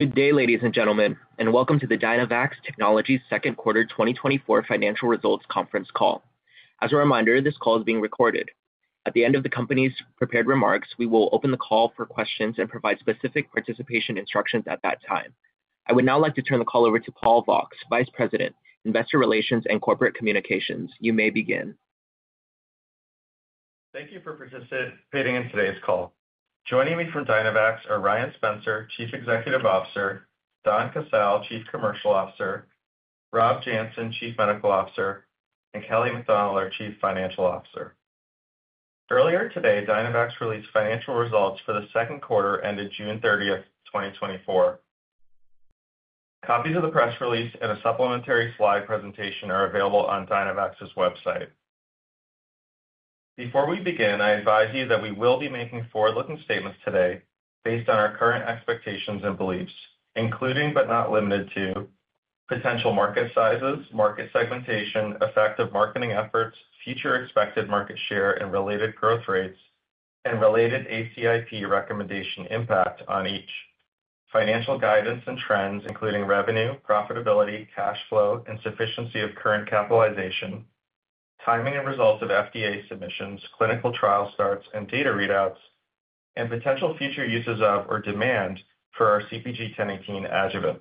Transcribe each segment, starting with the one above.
Good day, ladies and gentlemen, and welcome to the Dynavax Technologies Second Quarter 2024 Financial Results Conference Call. As a reminder, this call is being recorded. At the end of the company's prepared remarks, we will open the call for questions and provide specific participation instructions at that time. I would now like to turn the call over to Paul Cox, Vice President, Investor Relations and Corporate Communications. You may begin. Thank you for participating in today's call. Joining me from Dynavax are Ryan Spencer, Chief Executive Officer; Donn Casale, Chief Commercial Officer; Rob Janssen, Chief Medical Officer; and Kelly MacDonald, our Chief Financial Officer. Earlier today, Dynavax released financial results for the second quarter ended June 30th, 2024. Copies of the press release and a supplementary slide presentation are available on Dynavax's website. Before we begin, I advise you that we will be making forward-looking statements today based on our current expectations and beliefs, including but not limited to, potential market sizes, market segmentation, effective marketing efforts, future expected market share and related growth rates, and related ACIP recommendation impact on each financial guidance and trends, including revenue, profitability, cash flow, and sufficiency of current capitalization, timing and results of FDA submissions, clinical trial starts and data readouts, and potential future uses of or demand for our CpG 1018 adjuvant.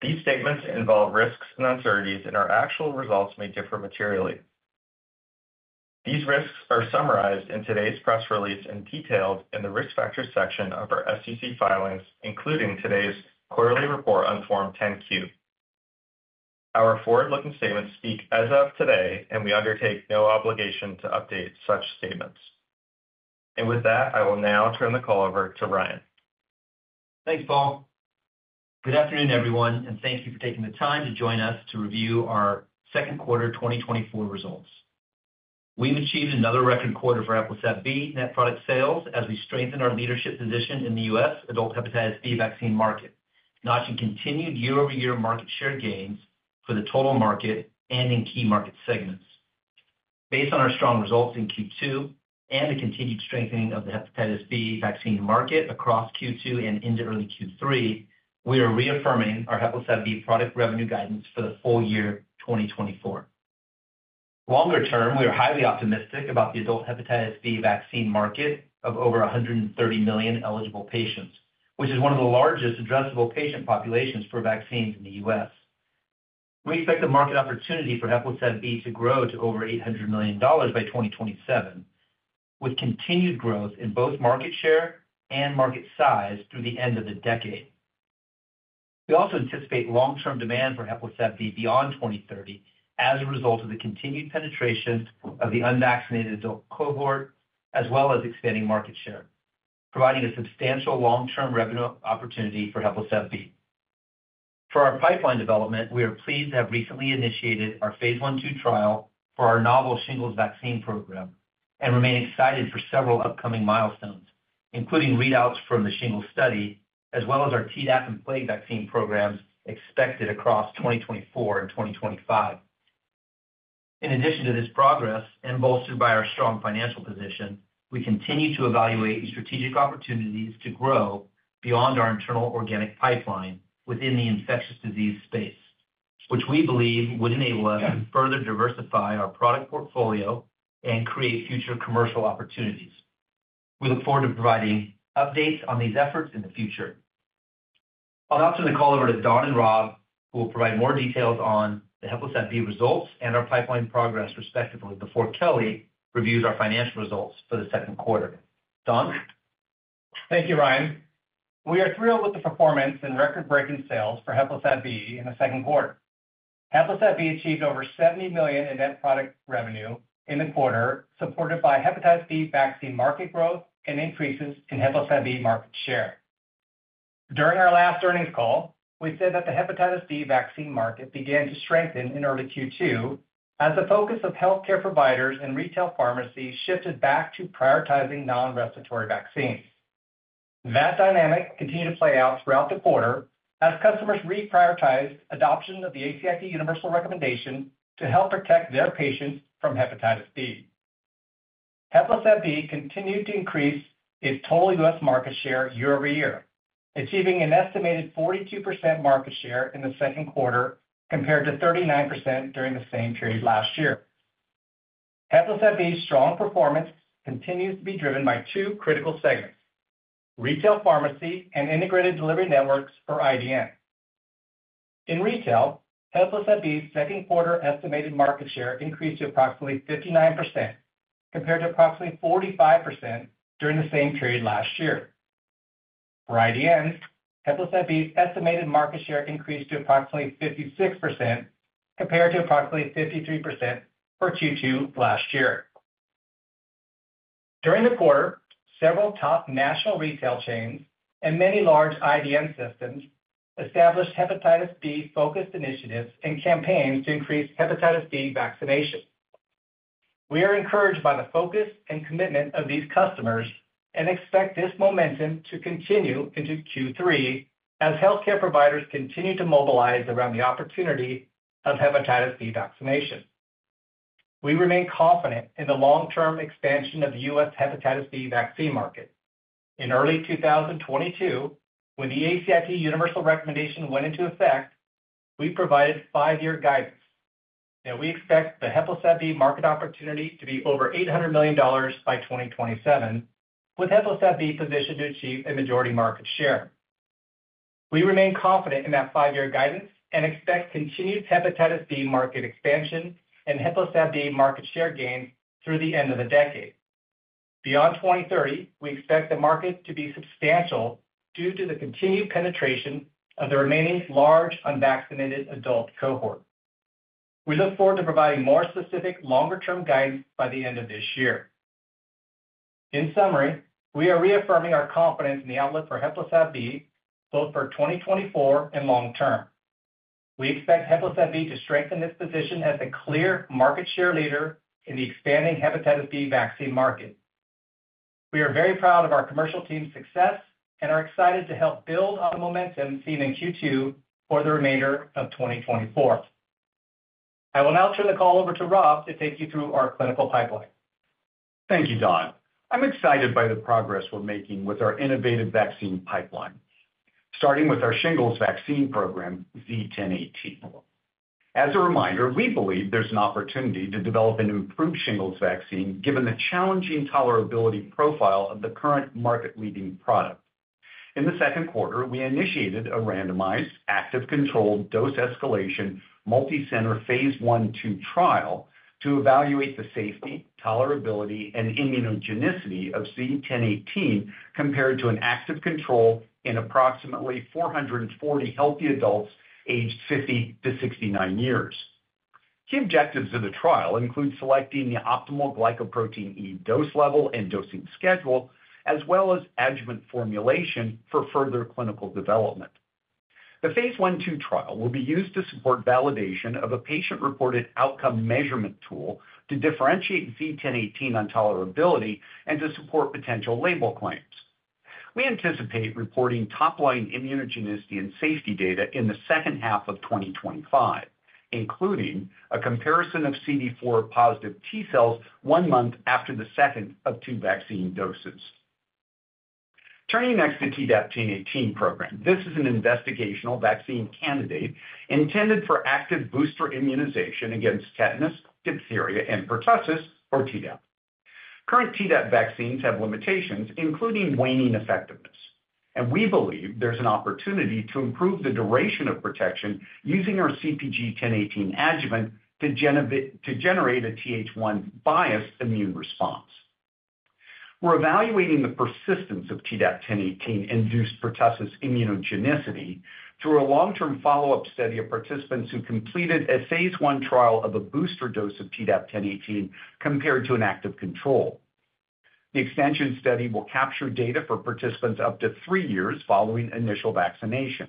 These statements involve risks and uncertainties, and our actual results may differ materially. These risks are summarized in today's press release and detailed in the Risk Factors section of our SEC filings, including today's quarterly report on Form 10-Q. Our forward-looking statements speak as of today, and we undertake no obligation to update such statements. With that, I will now turn the call over to Ryan. Thanks, Paul. Good afternoon, everyone, and thank you for taking the time to join us to review our second quarter 2024 results. We've achieved another record quarter for HEPLISAV-B net product sales as we strengthen our leadership position in the U.S. adult hepatitis B vaccine market, notching continued year-over-year market share gains for the total market and in key market segments. Based on our strong results in Q2 and the continued strengthening of the hepatitis B vaccine market across Q2 and into early Q3, we are reaffirming our HEPLISAV-B product revenue guidance for the full year 2024. Longer term, we are highly optimistic about the adult hepatitis B vaccine market of over 130 million eligible patients, which is one of the largest addressable patient populations for vaccines in the U.S. We expect the market opportunity for HEPLISAV-B to grow to over $800 million by 2027, with continued growth in both market share and market size through the end of the decade. We also anticipate long-term demand for HEPLISAV-B beyond 2030 as a result of the continued penetration of the unvaccinated adult cohort, as well as expanding market share, providing a substantial long-term revenue opportunity for HEPLISAV-B. For our pipeline development, we are pleased to have recently initiated our phase 1/2 trial for our novel shingles vaccine program and remain excited for several upcoming milestones, including readouts from the shingles study, as well as our Tdap and plague vaccine programs expected across 2024 and 2025. In addition to this progress and bolstered by our strong financial position, we continue to evaluate strategic opportunities to grow beyond our internal organic pipeline within the infectious disease space, which we believe would enable us to further diversify our product portfolio and create future commercial opportunities. We look forward to providing updates on these efforts in the future. I'll now turn the call over to Donn and Rob, who will provide more details on the HEPLISAV-B results and our pipeline progress, respectively, before Kelly reviews our financial results for the second quarter. Donn? Thank you, Ryan. We are thrilled with the performance and record-breaking sales for HEPLISAV-B in the second quarter. HEPLISAV-B achieved over $70+ million in net product revenue in the quarter, supported by hepatitis B vaccine market growth and increases in HEPLISAV-B market share. During our last earnings call, we said that the hepatitis B vaccine market began to strengthen in early Q2 as the focus of healthcare providers and retail pharmacies shifted back to prioritizing non-respiratory vaccines. That dynamic continued to play out throughout the quarter as customers reprioritized adoption of the ACIP universal recommendation to help protect their patients from hepatitis B. HEPLISAV-B continued to increase its total U.S. market share year-over-year, achieving an estimated 42% market share in the second quarter, compared to 39% during the same period last year. HEPLISAV-B's strong performance continues to be driven by two critical segments: retail pharmacy and integrated delivery networks or IDN. In retail, HEPLISAV-B's second quarter estimated market share increased to approximately 59%, compared to approximately 45% during the same period last year. For IDNs, HEPLISAV-B's estimated market share increased to approximately 56%, compared to approximately 53% for Q2 last year. During the quarter, several top national retail chains and many large IDN systems established hepatitis B-focused initiatives and campaigns to increase hepatitis B vaccination. We are encouraged by the focus and commitment of these customers and expect this momentum to continue into Q3 as healthcare providers continue to mobilize around the opportunity of hepatitis B vaccination. We remain confident in the long-term expansion of the U.S. hepatitis B vaccine market. In early 2022, when the ACIP universal recommendation went into effect, we provided five-year guidance, and we expect the HEPLISAV-B market opportunity to be over $800 million by 2027, with HEPLISAV-B positioned to achieve a majority market share. We remain confident in that five-year guidance and expect continued hepatitis B market expansion and HEPLISAV-B market share gains through the end of the decade. Beyond 2030, we expect the market to be substantial due to the continued penetration of the remaining large unvaccinated adult cohort. We look forward to providing more specific, longer-term guidance by the end of this year. In summary, we are reaffirming our confidence in the outlook for HEPLISAV-B, both for 2024 and long term. We expect HEPLISAV-B to strengthen its position as the clear market share leader in the expanding hepatitis B vaccine market. We are very proud of our commercial team's success and are excited to help build on the momentum seen in Q2 for the remainder of 2024. I will now turn the call over to Rob to take you through our clinical pipeline. Thank you, Donn. I'm excited by the progress we're making with our innovative vaccine pipeline, starting with our shingles vaccine program, Z-1018. As a reminder, we believe there's an opportunity to develop an improved shingles vaccine, given the challenging tolerability profile of the current market-leading product. In the second quarter, we initiated a randomized, active controlled dose escalation, multicenter phase 1/2 trial to evaluate the safety, tolerability, and immunogenicity of Z-1018 compared to an active control in approximately 440 healthy adults aged 50 to 69 years. Key objectives of the trial include selecting the optimal glycoprotein E dose level and dosing schedule, as well as adjuvant formulation for further clinical development. The phase 1/2 trial will be used to support validation of a patient-reported outcome measurement tool to differentiate Z-1018 on tolerability and to support potential label claims. We anticipate reporting top-line immunogenicity and safety data in the second half of 2025, including a comparison of CD4+ T cells one month after the second of two vaccine doses. Turning next to Tdap-1018 program. This is an investigational vaccine candidate intended for active booster immunization against tetanus, diphtheria, and pertussis, or Tdap. Current Tdap vaccines have limitations, including waning effectiveness, and we believe there's an opportunity to improve the duration of protection using our CpG 1018 adjuvant to generate a Th1-biased immune response. We're evaluating the persistence of Tdap-1018-induced pertussis immunogenicity through a long-term follow-up study of participants who completed a phase I trial of a booster dose of Tdap-1018 compared to an active control. The extension study will capture data for participants up to 3 years following initial vaccination.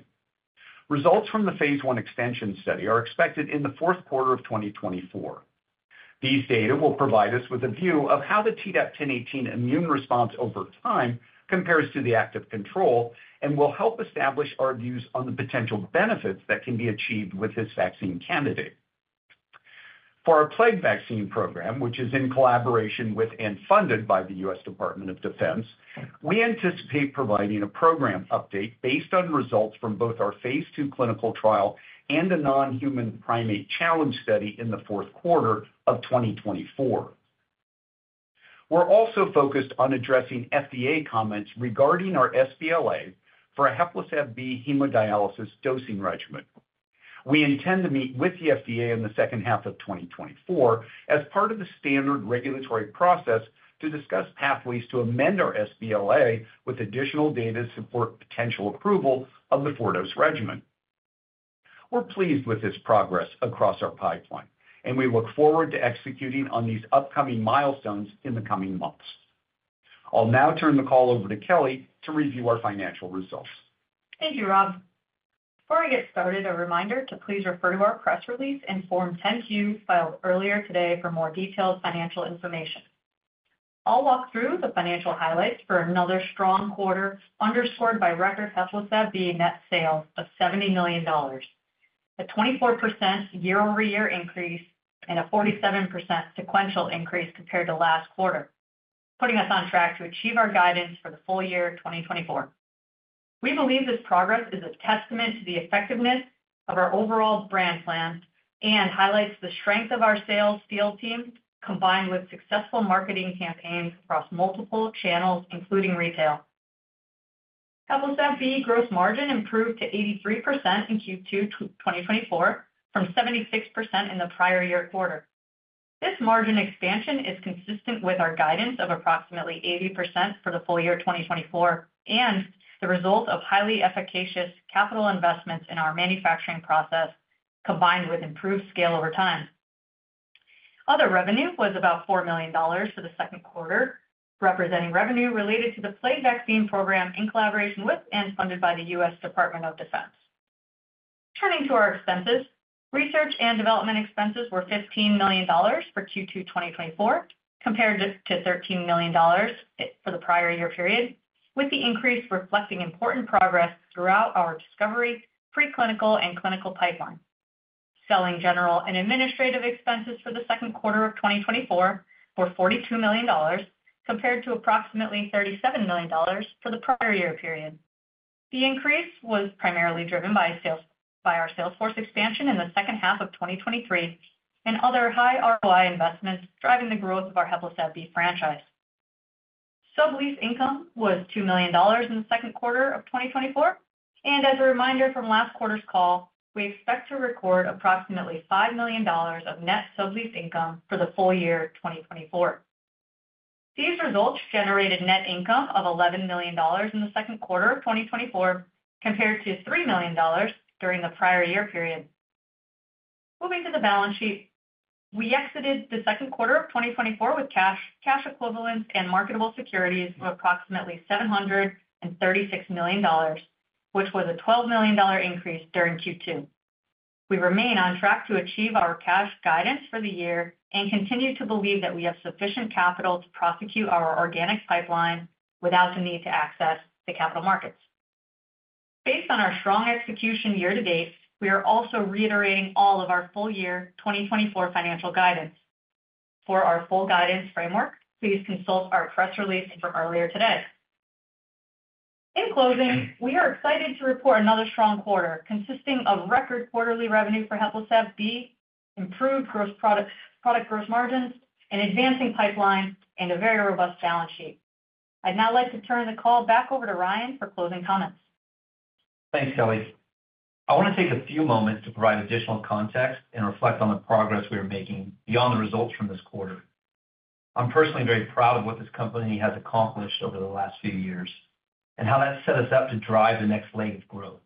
Results from the phase I extension study are expected in the fourth quarter of 2024. These data will provide us with a view of how the Tdap-1018 immune response over time compares to the active control and will help establish our views on the potential benefits that can be achieved with this vaccine candidate. For our plague vaccine program, which is in collaboration with and funded by the U.S. Department of Defense, we anticipate providing a program update based on results from both our phase II clinical trial and a non-human primate challenge study in the fourth quarter of 2024. We're also focused on addressing FDA comments regarding our sBLA for a HEPLISAV-B hemodialysis dosing regimen. We intend to meet with the FDA in the second half of 2024 as part of the standard regulatory process to discuss pathways to amend our sBLA with additional data to support potential approval of the four-dose regimen. We're pleased with this progress across our pipeline, and we look forward to executing on these upcoming milestones in the coming months. I'll now turn the call over to Kelly to review our financial results. Thank you, Rob. Before I get started, a reminder to please refer to our press release and Form 10-Q filed earlier today for more detailed financial information. I'll walk through the financial highlights for another strong quarter, underscored by record HEPLISAV-B net sales of $70 million, a 24% year-over-year increase and a 47% sequential increase compared to last quarter, putting us on track to achieve our guidance for the full year of 2024. We believe this progress is a testament to the effectiveness of our overall brand plan and highlights the strength of our sales field team, combined with successful marketing campaigns across multiple channels, including retail. HEPLISAV-B gross margin improved to 83% in Q2 2024, from 76% in the prior year quarter. This margin expansion is consistent with our guidance of approximately 80% for the full year 2024, and the result of highly efficacious capital investments in our manufacturing process, combined with improved scale over time. Other revenue was about $4 million for the second quarter, representing revenue related to the plague vaccine program in collaboration with and funded by the U.S. Department of Defense. Turning to our expenses. Research and development expenses were $15 million for Q2 2024, compared to thirteen million dollars for the prior year period. With the increase reflecting important progress throughout our discovery, preclinical, and clinical pipeline. Selling general and administrative expenses for the second quarter of 2024 were $42 million, compared to approximately $37 million for the prior year period. The increase was primarily driven by sales, by our sales force expansion in the second half of 2023, and other high ROI investments driving the growth of our HEPLISAV-B franchise. Sublease income was $2 million in the second quarter of 2024, and as a reminder from last quarter's call, we expect to record approximately $5 million of net sublease income for the full year 2024. These results generated net income of $11 million in the second quarter of 2024, compared to $3 million during the prior year period. Moving to the balance sheet. We exited the second quarter of 2024 with cash, cash equivalents, and marketable securities of approximately $736 million, which was a $12 million increase during Q2. We remain on track to achieve our cash guidance for the year and continue to believe that we have sufficient capital to prosecute our organic pipeline without the need to access the capital markets. Based on our strong execution year to date, we are also reiterating all of our full year 2024 financial guidance. For our full guidance framework, please consult our press release from earlier today. In closing, we are excited to report another strong quarter, consisting of record quarterly revenue for HEPLISAV-B, improved gross product, product gross margins, an advancing pipeline, and a very robust balance sheet. I'd now like to turn the call back over to Ryan for closing comments. Thanks, Kelly. I want to take a few moments to provide additional context and reflect on the progress we are making beyond the results from this quarter. I'm personally very proud of what this company has accomplished over the last few years and how that set us up to drive the next leg of growth.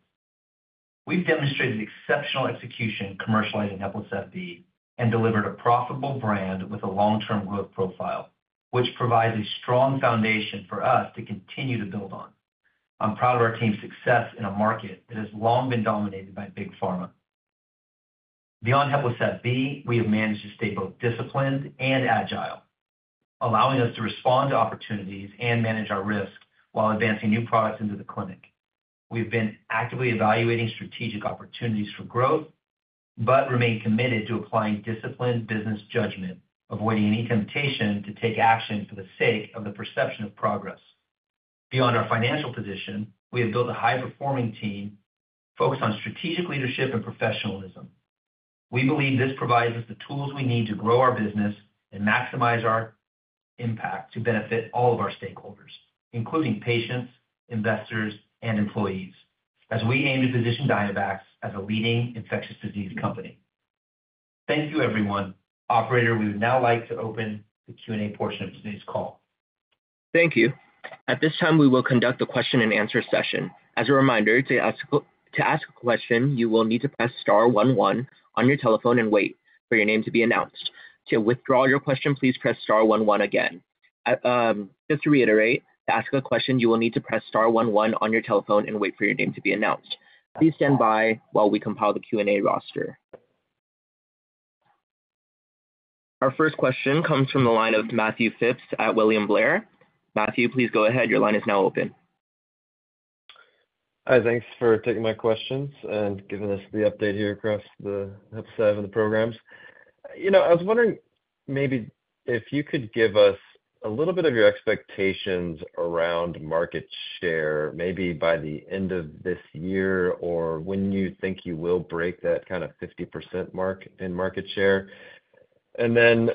We've demonstrated exceptional execution, commercializing HEPLISAV-B, and delivered a profitable brand with a long-term growth profile, which provides a strong foundation for us to continue to build on. I'm proud of our team's success in a market that has long been dominated by big pharma. Beyond HEPLISAV-B, we have managed to stay both disciplined and agile, allowing us to respond to opportunities and manage our risk while advancing new products into the clinic. We've been actively evaluating strategic opportunities for growth, but remain committed to applying disciplined business judgment, avoiding any temptation to take action for the sake of the perception of progress. Beyond our financial position, we have built a high-performing team focused on strategic leadership and professionalism. We believe this provides us the tools we need to grow our business and maximize our impact to benefit all of our stakeholders, including patients, investors, and employees, as we aim to position Dynavax as a leading infectious disease company. Thank you, everyone. Operator, we would now like to open the Q&A portion of today's call. Thank you. At this time, we will conduct a question-and-answer session. As a reminder, to ask a question, you will need to press star one, one on your telephone and wait for your name to be announced. To withdraw your question, please press star one, one again. Just to reiterate, to ask a question, you will need to press star one, one on your telephone and wait for your name to be announced. Please stand by while we compile the Q&A roster. Our first question comes from the line of Matthew Phipps at William Blair. Matthew, please go ahead. Your line is now open. Hi, thanks for taking my questions and giving us the update here across the HEPLISAV and the programs. You know, I was wondering, maybe if you could give us a little bit of your expectations around market share, maybe by the end of this year, or when you think you will break that kind of 50% mark in market share. And then,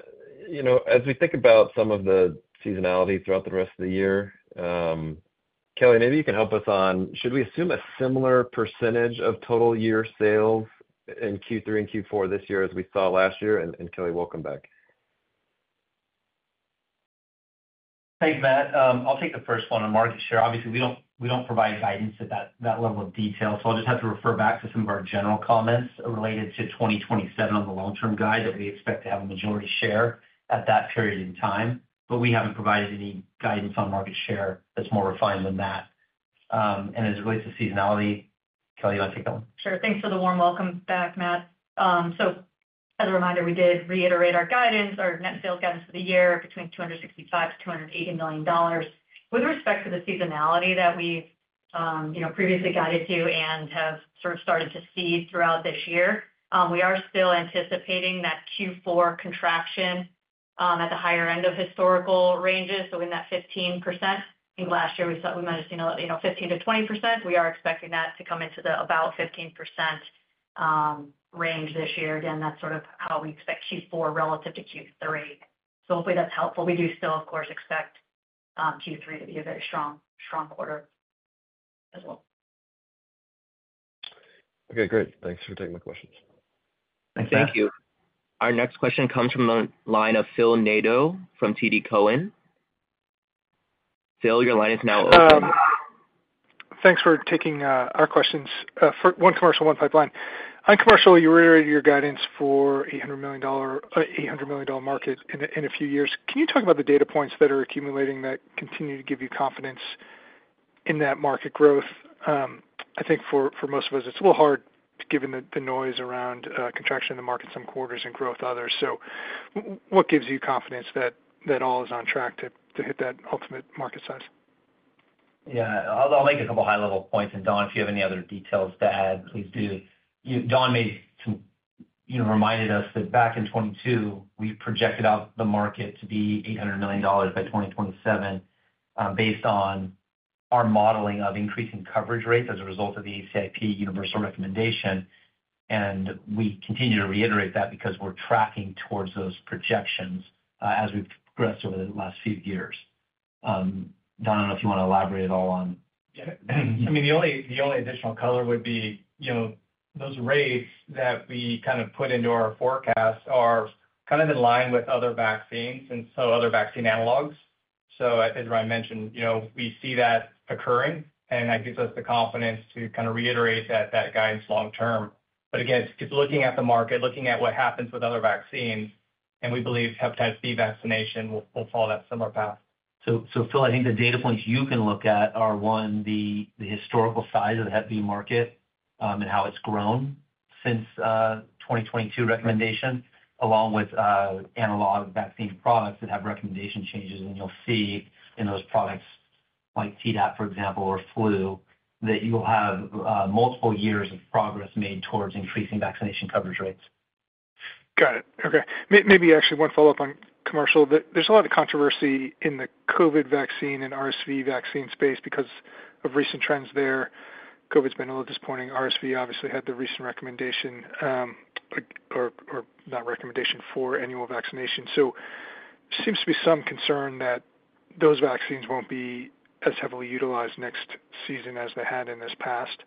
you know, as we think about some of the seasonality throughout the rest of the year, Kelly, maybe you can help us on, should we assume a similar percentage of total year sales in Q3 and Q4 this year as we saw last year? And Kelly, welcome back. Hey, Matt, I'll take the first one on market share. Obviously, we don't provide guidance at that level of detail, so I'll just have to refer back to some of our general comments related to 2027 on the long-term guide, that we expect to have a majority share at that period in time. But we haven't provided any guidance on market share that's more refined than that. And as it relates to seasonality, Kelly, you want to take that one? Sure. Thanks for the warm welcome back, Matt. So as a reminder, we did reiterate our guidance, our net sales guidance for the year, between $265 million-$280 million. With respect to the seasonality that we've, you know, previously guided to and have sort of started to see throughout this year, we are still anticipating that Q4 contraction, at the higher end of historical ranges, so in that 15%. I think last year we thought we might have seen, you know, 15%-20%. We are expecting that to come into the about 15%, range this year. Again, that's sort of how we expect Q4 relative to Q3. So hopefully that's helpful. We do still, of course, expect, Q3 to be a very strong, strong quarter as well. Okay, great. Thanks for taking my questions. Thanks, Matt. Thank you. Our next question comes from the line of Phil Nadeau from TD Cowen. Phil, your line is now open. Thanks for taking our questions. For one commercial, one pipeline. On commercial, you reiterated your guidance for $800 million market in a few years. Can you talk about the data points that are accumulating that continue to give you confidence in that market growth? I think for most of us, it's a little hard to given the noise around contraction in the market some quarters and growth others. So what gives you confidence that all is on track to hit that ultimate market size? Yeah, I'll make a couple high-level points, and Don, if you have any other details to add, please do. You know, Don made some, you know, reminded us that back in 2022, we projected out the market to be $800 million by 2027, based on our modeling of increasing coverage rates as a result of the ACIP universal recommendation. We continue to reiterate that because we're tracking towards those projections, as we've progressed over the last few years. Don, I don't know if you want to elaborate at all on- Yeah. I mean, the only, the only additional color would be, you know, those rates that we kind of put into our forecast are kind of in line with other vaccines and so other vaccine analogs. So as Ryan mentioned, you know, we see that occurring, and that gives us the confidence to kind of reiterate that, that guidance long term. But again, it's looking at the market, looking at what happens with other vaccines, and we believe hepatitis B vaccination will, will follow that similar path. So, Phil, I think the data points you can look at are, one, the historical size of the Hep B market, and how it's grown since the 2022 recommendation, along with analog vaccine products that have recommendation changes. And you'll see in those products, like TDAP, for example, or flu, that you'll have multiple years of progress made towards increasing vaccination coverage rates. Got it. Okay. Maybe actually one follow-up on commercial. There's a lot of controversy in the COVID vaccine and RSV vaccine space because of recent trends there. COVID's been a little disappointing. RSV obviously had the recent recommendation or not recommendation for annual vaccination. So seems to be some concern that those vaccines won't be as heavily utilized next season as they had in this past.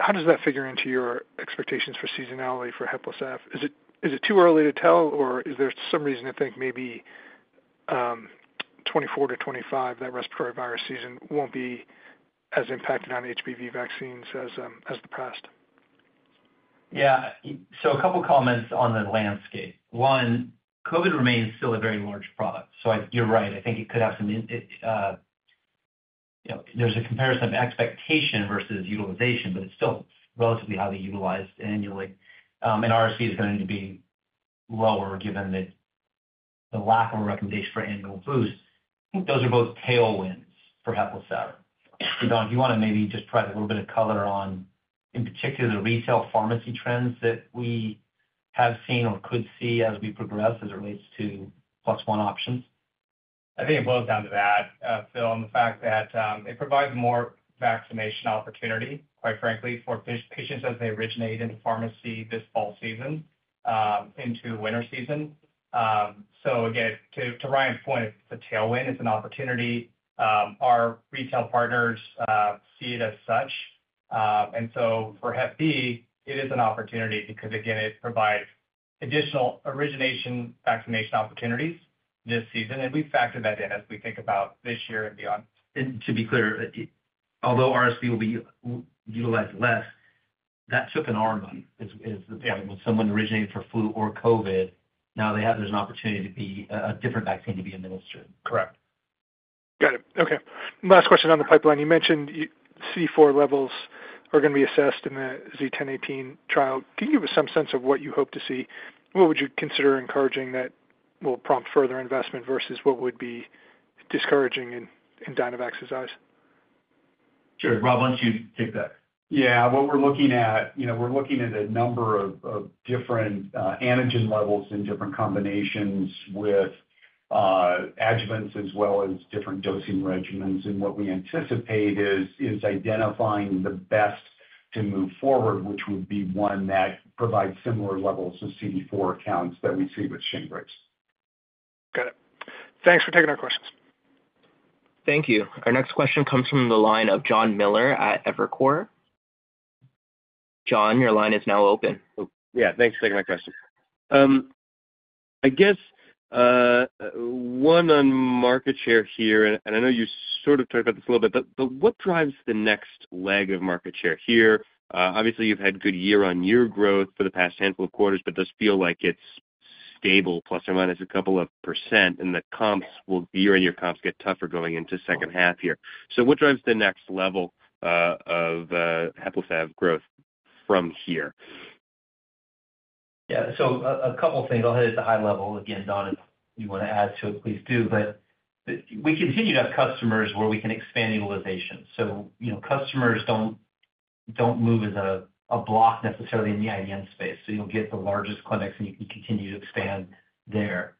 How does that figure into your expectations for seasonality for HEPLISAV? Is it too early to tell, or is there some reason to think maybe 2024 to 2025, that respiratory virus season won't be as impacted on HBV vaccines as the past? Yeah. So a couple comments on the landscape. One, COVID remains still a very large product, so I... You're right, I think it could have some in, you know, there's a comparison of expectation versus utilization, but it's still relatively highly utilized annually. And RSV is going to be lower, given that the lack of a recommendation for annual boosts. I think those are both tailwinds for HEPLISAV. So Don, if you want to maybe just provide a little bit of color on, in particular, the retail pharmacy trends that we have seen or could see as we progress as it relates to plus-one options. I think it boils down to that, Phil, and the fact that it provides more vaccination opportunity, quite frankly, for these patients as they originate in the pharmacy this fall season into winter season. So again, to Ryan's point, it's a tailwind. It's an opportunity. Our retail partners see it as such. And so for Hep B, it is an opportunity because, again, it provides additional origination vaccination opportunities this season, and we've factored that in as we think about this year and beyond. To be clear, although RSV will be utilized less, that took an arm is- Yeah. When someone originated for flu or COVID, now they have... There's an opportunity to be, a different vaccine to be administered. Correct. Got it. Okay. Last question on the pipeline. You mentioned CD4 levels are going to be assessed in the Z-1018 trial. Can you give us some sense of what you hope to see? What would you consider encouraging that will prompt further investment versus what would be discouraging in Dynavax's eyes? Sure. Rob, why don't you take that? Yeah. What we're looking at, you know, we're looking at a number of different antigen levels and different combinations with adjuvants, as well as different dosing regimens. And what we anticipate is identifying the best to move forward, which would be one that provides similar levels of CD4 counts that we see with Shingrix. Got it. Thanks for taking our questions. Thank you. Our next question comes from the line of John Miller at Evercore. John, your line is now open. Yeah, thanks for taking my question. I guess, one on market share here, and I know you sort of talked about this a little bit, but what drives the next leg of market share here? Obviously, you've had good year-on-year growth for the past handful of quarters, but does feel like it's stable, ± a couple of %, and the comps, year-on-year comps get tougher going into second half year. So what drives the next level of HEPLISAV growth from here? Yeah. So a couple things. I'll hit it at the high level. Again, Don, if you want to add to it, please do. But we continue to have customers where we can expand utilization. So you know, customers don't move as a block necessarily in the IDN space, so you'll get the largest clinics, and you can continue to expand there.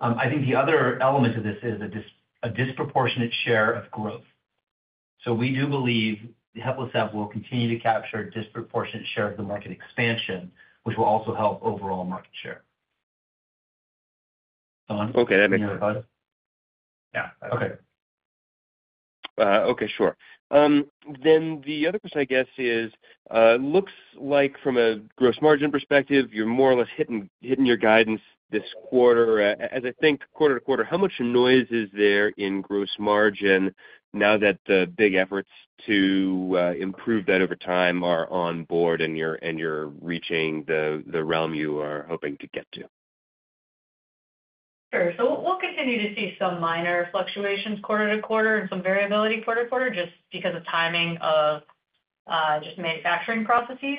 I think the other element of this is a disproportionate share of growth. So we do believe the HEPLISAV will continue to capture a disproportionate share of the market expansion, which will also help overall market share. Don? Okay, that makes sense. Yeah. Okay. Okay, sure. Then the other question, I guess, is, looks like from a gross margin perspective, you're more or less hitting your guidance this quarter. As I think quarter to quarter, how much noise is there in gross margin now that the big efforts to improve that over time are on board, and you're reaching the realm you are hoping to get to? ... Sure. So we'll, we'll continue to see some minor fluctuations quarter to quarter and some variability quarter to quarter, just because of timing of just manufacturing processes.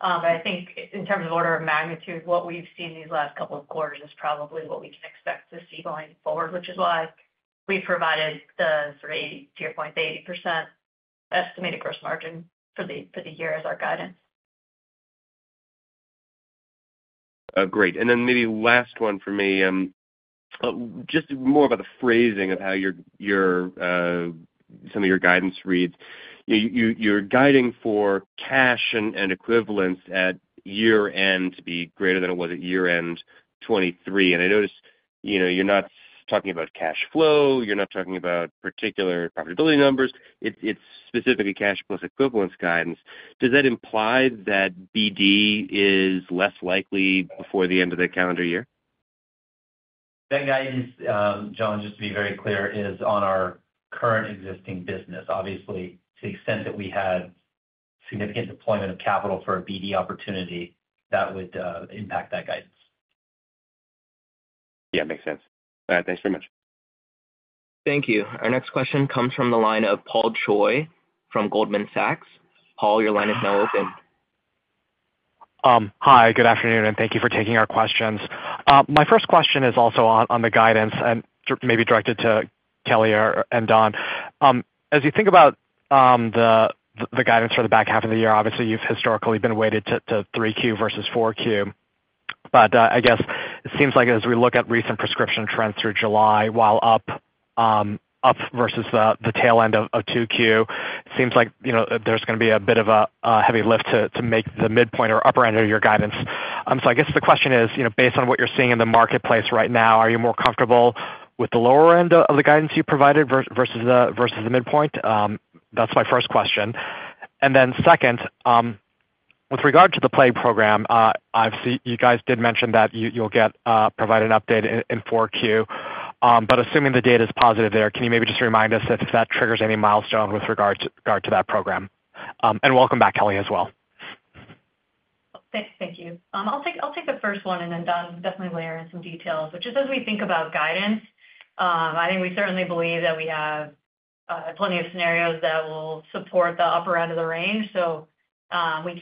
But I think in terms of order of magnitude, what we've seen these last couple of quarters is probably what we can expect to see going forward, which is why we provided the 80% estimated gross margin for the, for the year as our guidance. Great. Then maybe last one for me, just more about the phrasing of how your some of your guidance reads. You're guiding for cash and equivalents at year-end to be greater than it was at year-end 2023. And I noticed, you know, you're not talking about cash flow, you're not talking about particular profitability numbers. It's specifically cash plus equivalents guidance. Does that imply that BD is less likely before the end of the calendar year? That guidance, John, just to be very clear, is on our current existing business. Obviously, to the extent that we had significant deployment of capital for a BD opportunity, that would impact that guidance. Yeah, makes sense. All right, thanks very much. Thank you. Our next question comes from the line of Paul Choi from Goldman Sachs. Paul, your line is now open. Hi, good afternoon, and thank you for taking our questions. My first question is also on the guidance and maybe directed to Kelly or Don. As you think about the guidance for the back half of the year, obviously, you've historically been weighted to 3Q versus 4Q. But I guess it seems like as we look at recent prescription trends through July, while up, up versus the tail end of 2Q, it seems like, you know, there's gonna be a bit of a heavy lift to make the midpoint or upper end of your guidance. So, I guess the question is, you know, based on what you're seeing in the marketplace right now, are you more comfortable with the lower end of the guidance you provided versus the midpoint? That's my first question. And then second, with regard to the plague program, obviously, you guys did mention that you'll provide an update in 4Q. But assuming the data is positive there, can you maybe just remind us if that triggers any milestone with regard to that program? And welcome back, Kelly, as well. Thank you. I'll take the first one, and then Don, definitely layer in some details, which is as we think about guidance, I think we certainly believe that we have plenty of scenarios that will support the upper end of the range. So, we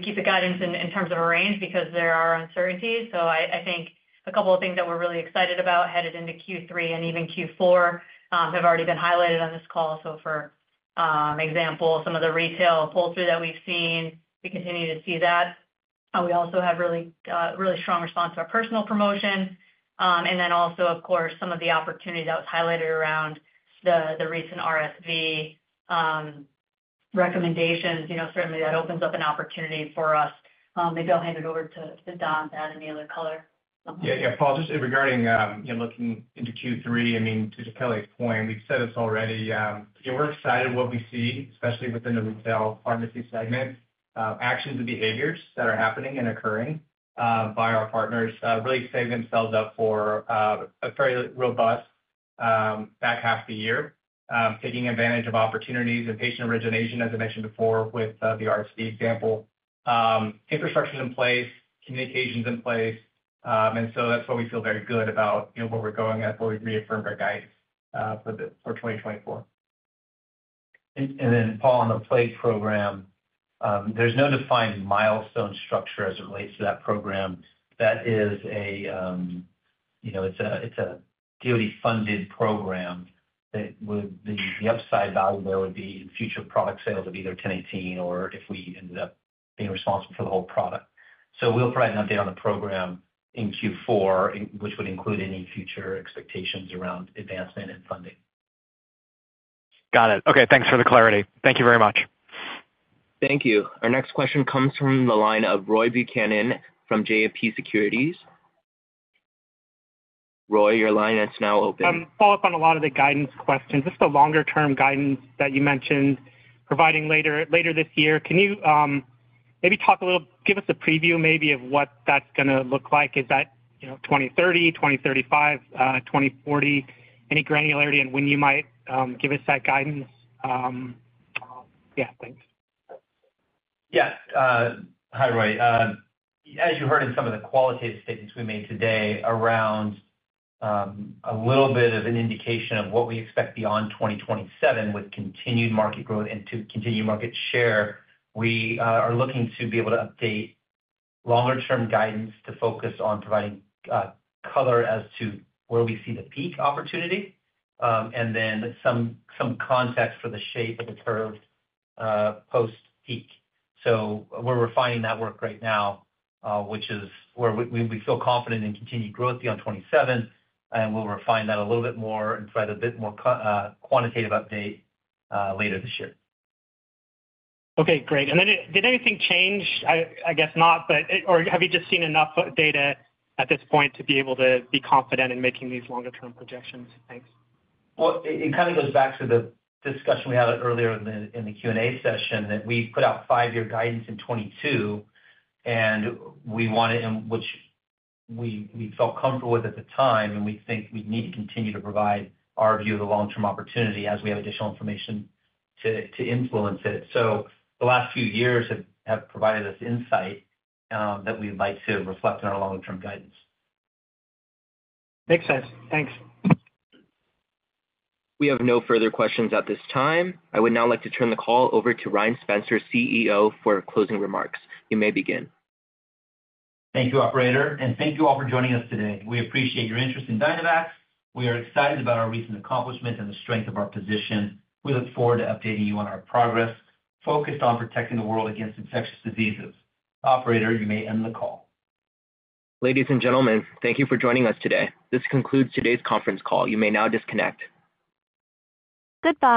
keep the guidance in terms of a range because there are uncertainties. So I think a couple of things that we're really excited about headed into Q3 and even Q4 have already been highlighted on this call. So for example, some of the retail pull-through that we've seen, we continue to see that. We also have really strong response to our personal promotion. And then also, of course, some of the opportunity that was highlighted around the recent RSV recommendations, you know, certainly that opens up an opportunity for us. Maybe I'll hand it over to Don to add any other color. Yeah, yeah, Paul, just regarding, you know, looking into Q3, I mean, to Kelly's point, we've said this already, you know, we're excited what we see, especially within the retail pharmacy segment. Actions and behaviors that are happening and occurring by our partners really set themselves up for a very robust back half of the year. Taking advantage of opportunities and patient origination, as I mentioned before, with the RSV example. Infrastructure is in place, communication's in place, and so that's why we feel very good about, you know, where we're going at where we've reaffirmed our guidance for 2024. And then Paul, on the plague program, there's no defined milestone structure as it relates to that program. That is a, you know, it's a DOD-funded program that would... The upside value there would be future product sales of either 1018 or if we ended up being responsible for the whole product. So we'll provide an update on the program in Q4, in which would include any future expectations around advancement and funding. Got it. Okay, thanks for the clarity. Thank you very much. Thank you. Our next question comes from the line of Roy Buchanan from JMP Securities. Roy, your line is now open. Follow up on a lot of the guidance questions, just the longer-term guidance that you mentioned providing later, later this year. Can you maybe talk a little, give us a preview maybe of what that's gonna look like? Is that, you know, 2030, 2035, 2040? Any granularity and when you might give us that guidance? Yeah, thanks. Yeah. Hi, Roy. As you heard in some of the qualitative statements we made today around a little bit of an indication of what we expect beyond 2027 with continued market growth and to continue market share, we are looking to be able to update longer-term guidance to focus on providing color as to where we see the peak opportunity, and then some context for the shape of the curve post-peak. So we're refining that work right now, which is where we feel confident in continued growth beyond 2027, and we'll refine that a little bit more and provide a bit more quantitative update later this year. Okay, great. And then did anything change? I, I guess not, but, or have you just seen enough data at this point to be able to be confident in making these longer-term projections? Thanks. Well, it kind of goes back to the discussion we had earlier in the Q&A session, that we put out 5-year guidance in 2022, and we wanted, which we felt comfortable with at the time, and we think we need to continue to provide our view of the long-term opportunity as we have additional information to influence it. So the last few years have provided us insight that we'd like to reflect on our long-term guidance. Makes sense. Thanks. We have no further questions at this time. I would now like to turn the call over to Ryan Spencer, CEO, for closing remarks. You may begin. Thank you, operator, and thank you all for joining us today. We appreciate your interest in Dynavax. We are excited about our recent accomplishments and the strength of our position. We look forward to updating you on our progress, focused on protecting the world against infectious diseases. Operator, you may end the call. Ladies and gentlemen, thank you for joining us today. This concludes today's conference call. You may now disconnect. Goodbye.